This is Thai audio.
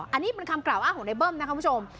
อันนี้เป็นคำกล่าวอ้างของในเบิ้มนะครับคุณผู้ชม